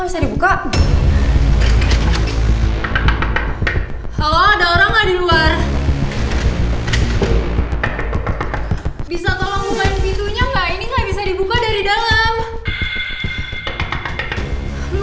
bisa tolong bukain pintunya enggak ini nggak bisa dibuka dari dalam